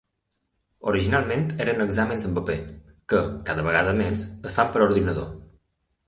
Originalment eren exàmens en paper, que, cada vegada més, es fan per ordinador.